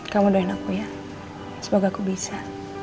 kamu doain aku ya semoga aku bisa